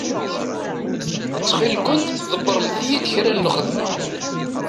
Ttxil-kent ḍebbṛemt-iyi-d kra n lxedma.